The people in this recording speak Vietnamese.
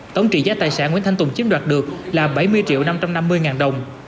tổng trị giá tài sản nguyễn thanh tùng chiếm đoạt được là bảy mươi triệu năm trăm năm mươi ngàn đồng